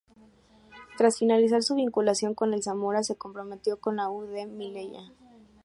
Tras finalizar su vinculación con el Zamora, se comprometió con la U. D. Melilla.